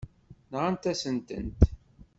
Nɣant-asent-tent.